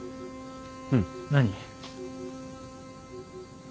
うん。何？